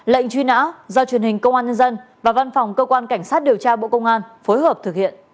lệnh truy nã do truyền hình công an nhân dân và văn phòng cơ quan cảnh sát điều tra bộ công an phối hợp thực hiện